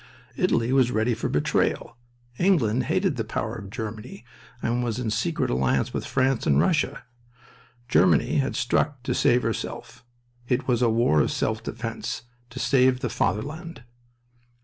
Italy was ready for betrayal. England hated the power of Germany and was in secret alliance with France and Russia. Germany had struck to save herself. "It was a war of self defense, to save the Fatherland."